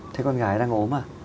thế con gà ấy đang ốm à